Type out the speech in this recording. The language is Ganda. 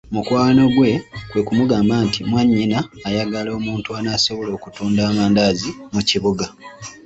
Mukwano gwe kwe kumugamba nti mwannyina ayagala omuntu anaasobola okutunda amandaazi mu kibuga.